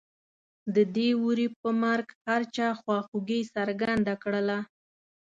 د دې وري په مرګ هر چا خواخوږي څرګنده کړله.